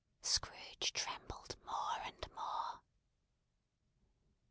Scrooge trembled more and more.